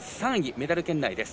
メダル圏内です。